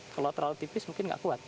kalau terlalu tipis mungkin nggak kuat